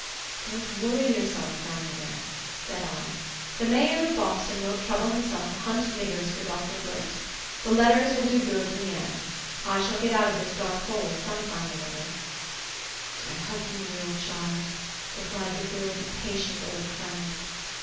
"Don't worry yourself, Grandmother," said I. "The mayor of Boston won't trouble himself to hunt niggers for Dr. Flint. The letters will do good in the end. I shall get out of this dark hole some time or other." "I hope you will, child," replied the good, patient old friend.